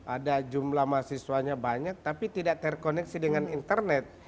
ada jumlah mahasiswanya banyak tapi tidak terkoneksi dengan internet